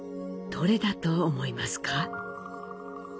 どれだと思いますか。